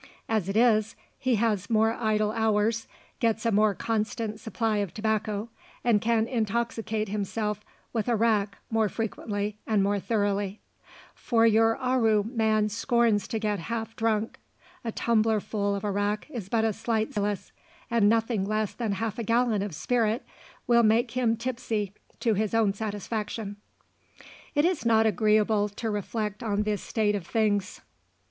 As it is, he has more idle hours, gets a more constant supply of tobacco, and can intoxicate himself with arrack more frequently and more thoroughly; for your Aru man scorns to get half drunk a tumbler full of arrack is but a slight stimulus, and nothing less than half a gallon of spirit will make him tipsy to his own satisfaction. It is not agreeable to reflect on this state of things.